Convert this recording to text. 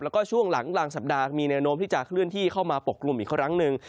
แล้วก็ช่วงหลังกลางสัปดาห์มีแนวโน้มที่จะเคลื่อนที่เข้ามาปกกลุ่มอีกครั้งหนึ่ง